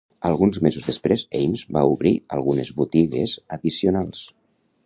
Uns mesos després, Ames va obrir algunes botiges addicionals.